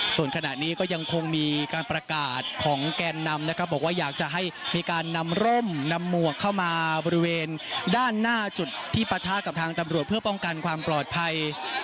ส่วนขณะนี้ก็ยังคงมีการประกาศของแกนนำนะครับบอกว่าอยากจะให้มีการนำร่มนำหมวกเข้ามาบริเวณด้านหน้าจุดที่ปะทะกับทางตำรวจเพื่อป้องกันความปลอดภัย